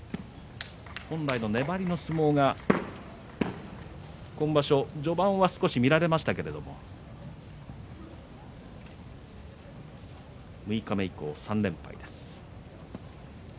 本来の粘りの相撲が今場所は序盤は少し見られましたけれども六日目以降３連敗です。